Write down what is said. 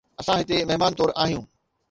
اسان هتي مهمان طور آهيون